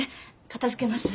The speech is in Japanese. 片づけます。